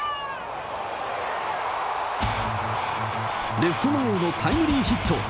レフト前へのタイムリーヒット。